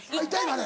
あれ。